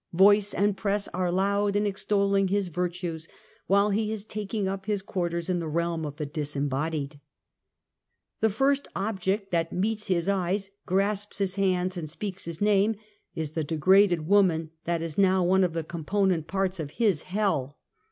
Voice and press are loud in extolling his virtues, while he is taking up his quarters in the realm of the disembodied. The first object that meets his eyes, grasps his hand, and speaks his name, is the degraded woman that is now one of the component parts of ^ his "Hell."